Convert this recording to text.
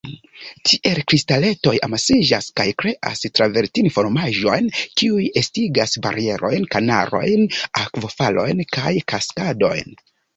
Tiel kristaletoj amasiĝas kaj kreas travertin-formaĵojn, kiuj estigas barierojn, kanalojn, akvofalojn kaj kaskadojn.